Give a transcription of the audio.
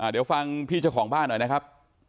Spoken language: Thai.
เดี๋ยวฟังพี่เจ้าของบ้านหน่อยนะครับ